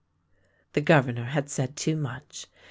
The Governor had said too much.